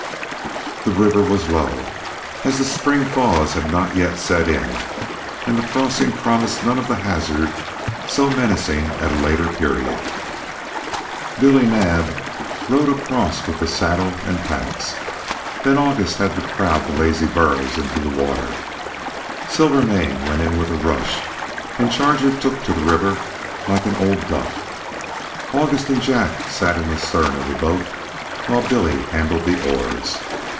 The river was low, as the spring thaws had not yet set in, and the crossing promised none of the hazard so menacing at a later period. Billy Naab rowed across with the saddle and packs. Then August had to crowd the lazy burros into the water. Silvermane went in with a rush, and Charger took to the river like an old duck. August and Jack sat in the stern of the boat, while Billy handled the oars.